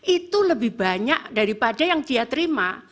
itu lebih banyak daripada yang dia terima